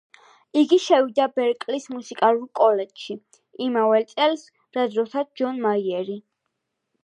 იგი შევიდა ბერკლის მუსიკალურ კოლეჯში, იმავე წელს, რა დროსაც ჯონ მაიერი.